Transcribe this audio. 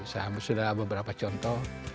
saya sudah beberapa contoh